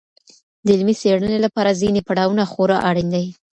د علمي څېړني لپاره ځیني پړاوونه خورا اړین دي.